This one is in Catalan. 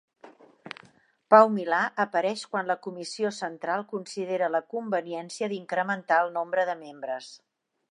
Pau Milà apareix quan la comissió central considera la conveniència d'incrementar el nombre de membres.